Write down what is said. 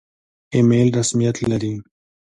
ایمیل رسمیت لري؟